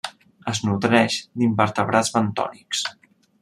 Es nodreix d'invertebrats bentònics.